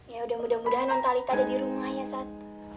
ya udah mudah mudahan talita ada di rumah ya sat